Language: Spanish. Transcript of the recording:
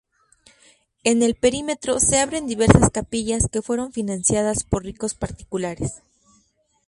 En el perímetro se abren diversas capillas que fueron financiadas por ricos particulares.